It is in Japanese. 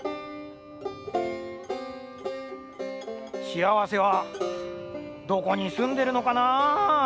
しあわせはどこにすんでるのかなぁ。